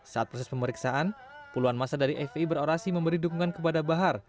saat proses pemeriksaan puluhan masa dari fpi berorasi memberi dukungan kepada bahar